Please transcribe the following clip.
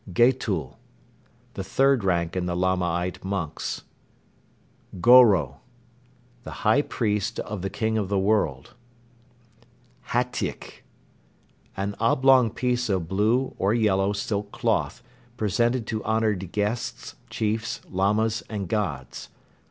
Getul. The third rank in the Lamaite monks. Goro. The high priest of the King of the World. Hatyk. An oblong piece of blue (or yellow) silk cloth, presented to honored guests, chiefs, Lamas and gods.